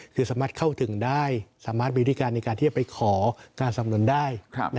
คือสามารถเข้าถึงได้สามารถมีวิธีการในการที่จะไปขอการสำนุนได้